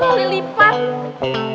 wah kali lipat